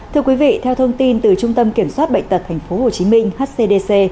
thưa quý vị theo thông tin từ trung tâm kiểm soát bệnh tật tp hcm hcdc